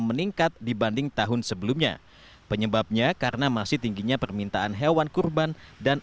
meningkat dibanding tahun sebelumnya penyebabnya karena masih tingginya permintaan hewan kurban dan